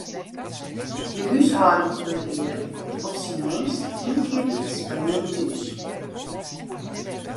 De húshâldingsbegelieder komt op syn minst ien kear wyks by jin thús.